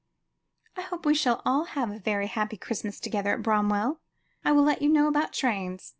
"I hope we shall all have a very happy Christmas together at Bramwell. I will let you know, about trains.